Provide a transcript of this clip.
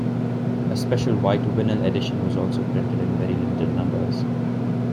A special white vinyl edition was also printed in very limited numbers.